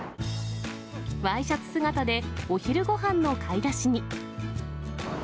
ワイシャツ姿で、お昼ごはんの買い出しに。